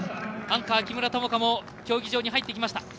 アンカーの木村友香も競技場に入ってきました。